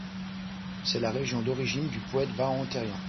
C'est la région d'origine du poète Vahan Térian.